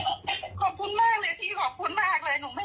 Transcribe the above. ขอบคุณมากเลยพี่ขอบคุณมากเลย